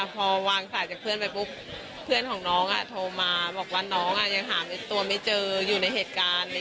พอวางสายจากเพื่อนไปปุ๊บเพื่อนของน้องโทรมาบอกว่าน้องยังหาตัวไม่เจออยู่ในเหตุการณ์